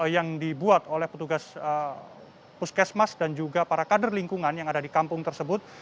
yang dibuat oleh petugas puskesmas dan juga para kader lingkungan yang ada di kampung tersebut